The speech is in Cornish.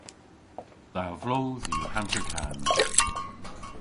Dha vloodh yw hanterkans.